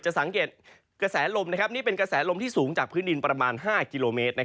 สังเกตกระแสลมนี่เป็นกระแสลมที่สูงจากพื้นดินประมาณ๕กิโลเมตร